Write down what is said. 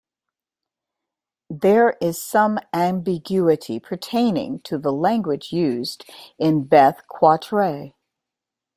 There is some ambiguity pertaining to the language used in Beth Qatraye.